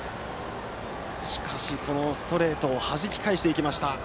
しかしストレートをはじき返していきました。